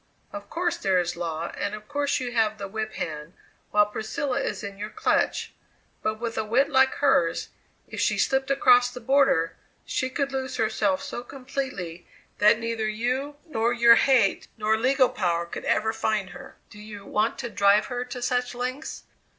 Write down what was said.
Of course there is law and of course you have the whip hand while Priscilla is in your clutch, but with a wit like hers, if she slipped across the border she could lose herself so completely that neither your hate nor legal power could ever find her. Do you want to drive her to such lengths?"